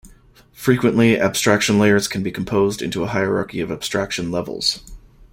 Frequently abstraction layers can be composed into a hierarchy of abstraction levels.